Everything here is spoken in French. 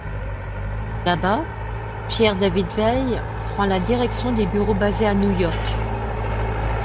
Là-bas, Pierre David-Weill prend la direction des bureaux basés à New York.